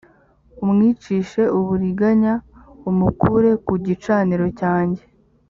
amwicishe uburiganya umukure ku gicaniro cyanjye